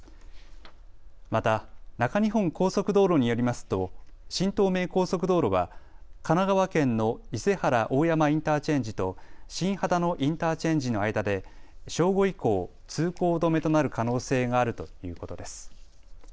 また中日本高速道路によりますと新東名高速道路は神奈川県の伊勢原大山インターチェンジと新秦野インターチェンジの間で正午以降、通行止めとなる可能性があるということです。